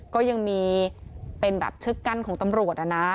ก็ยังมีเป็นแบบเชือกกั้นของตำรวจนะ